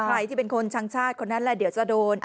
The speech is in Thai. ใครที่เป็นคนช่างชาติคนนั้นแหละเดี๋ยวจะโดน